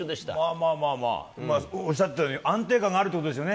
まあまあまあまあ、おっしゃってたように安定感があるってことですよね。